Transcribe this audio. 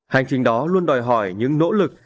hành trình đó luôn đòi hỏi những nỗ lực